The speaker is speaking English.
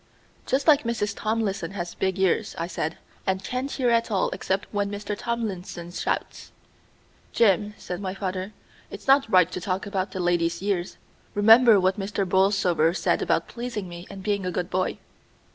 "Just like Mrs. Tomlinson has big ears," I said, "and can't hear at all except when Mr. Tomlinson shouts." "Jim," said my father, "it's not right to talk about a lady's ears. Remember what Mr. Borlsover said about pleasing me and being a good boy."